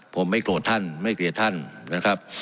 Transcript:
ผมไม่โกรธท่านไม่เกลียดท่านนะครับ